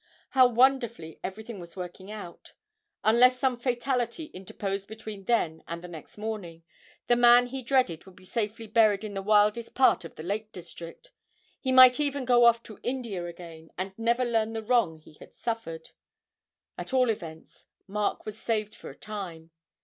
How wonderfully everything was working out! Unless some fatality interposed between then and the next morning, the man he dreaded would be safely buried in the wildest part of the Lake District he might even go off to India again and never learn the wrong he had suffered! At all events, Mark was saved for a time.